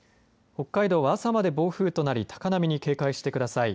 北海道は朝まで暴風となり高波に警戒してください。